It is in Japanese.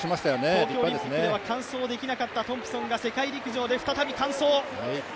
東京オリンピックでは完走できなかったトンプソンが世界陸上で再び完走。